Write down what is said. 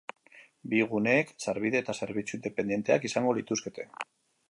Bi guneek sarbide eta zerbitzu independenteak izango lituzkete.